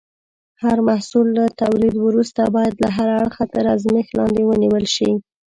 هر محصول له تولید وروسته باید له هر اړخه تر ازمېښت لاندې ونیول شي.